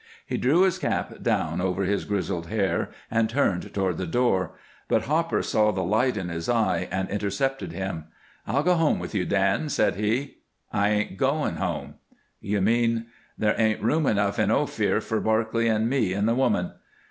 He drew his cap down over his grizzled hair and turned toward the door, but Hopper saw the light in his eye and intercepted him. "I'll go home with you, Dan," said he. "I ain't going home." "You mean " "There ain't room enough in Ophir for Barclay and me and the woman."